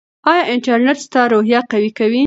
ایا انټرنیټ ستا روحیه قوي کوي؟